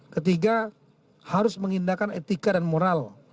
ketiga harus mengindahkan etika dan moral